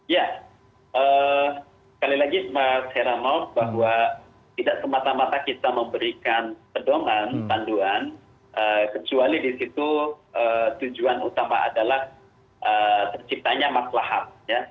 ya sekali lagi mas heranov bahwa tidak semata mata kita memberikan pedoman panduan kecuali di situ tujuan utama adalah terciptanya maslahat